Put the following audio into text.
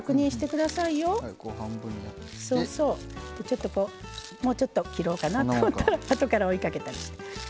ちょっとこうもうちょっと切ろうかなと思ったら後から追いかけたりして。